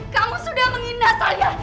kamu sudah mengindah saya